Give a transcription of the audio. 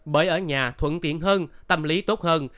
bởi ở nhà thuận tiện hơn tâm lý tốt hơn